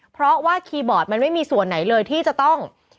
เพราะว่าคีย์บอร์ดมันไม่มีส่วนไหนเลยที่จะต้อง